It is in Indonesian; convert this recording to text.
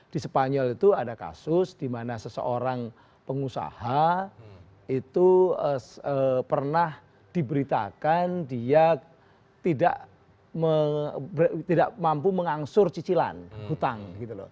di spanyol itu ada kasus di mana seseorang pengusaha itu pernah diberitakan dia tidak mampu mengangsur cicilan hutang gitu loh